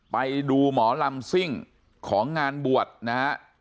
ไปดูหมอลำซิ่งของงานบวชนะฮะ